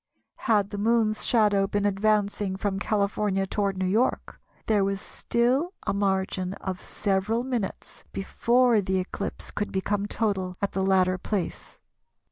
Had the Moon's shadow been advancing from California toward New York, there was still a margin of several minutes before the eclipse could become total at the latter place.